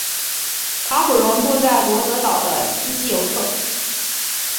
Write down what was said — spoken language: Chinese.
卡普荣住在罗德岛的斯基尤特。